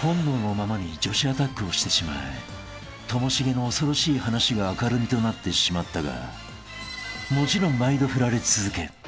［本能のままに女子アタックをしてしまうともしげの恐ろしい話が明るみとなってしまったがもちろん毎度振られ続け